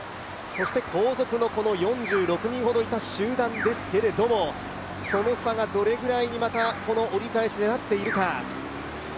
そして後続の４６人ほどいた集団ですけれども、その差が、どれぐらいにまた折り返しでなっているか。